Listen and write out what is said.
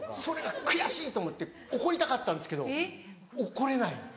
それが悔しい！と思って怒りたかったんですけど怒れない。